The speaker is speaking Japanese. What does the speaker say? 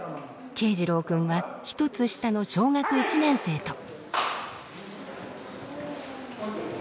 慶士郎君は１つ下の小学１年生と。